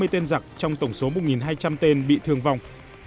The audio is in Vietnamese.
bốn trăm năm mươi tên giặc trong tổng số một hai trăm linh tên bị thương vọng